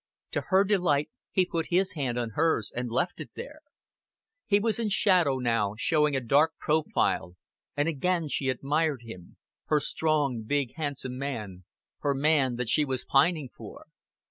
To her delight he put his hand on hers, and left it there. He was in shadow now, showing a dark profile, and again she admired him her strong, big, handsome man, her man that she was pining for.